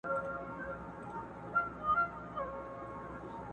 سپي به سمدستي ځغستل د هغه لور ته!.